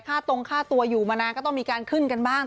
ตรงค่าตัวอยู่มานานก็ต้องมีการขึ้นกันบ้าง